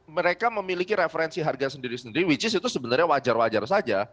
mereka memiliki referensi harga sendiri sendiri which is itu sebenarnya wajar wajar saja